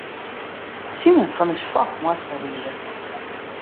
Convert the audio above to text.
Simen fan ús Fok moast dêr ride.